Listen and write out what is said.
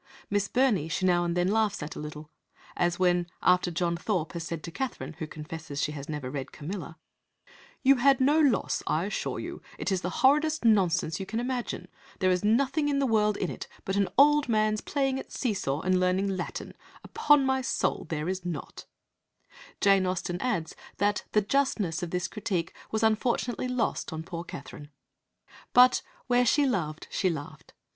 Miss Burney she now and then laughs at a little, as when, after John Thorpe has said to Catherine (who confesses she has never read Camilla): "You had no loss, I assure you; it is the horridest nonsense you can imagine; there is nothing in the world in it but an old man's playing at see saw and learning Latin; upon my soul, there is not," Jane Austen adds that "the justness" of this critique "was unfortunately lost on poor Catherine." But where she loved she laughed.